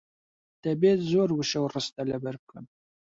دەبێت زۆر وشە و ڕستە لەبەر بکەم.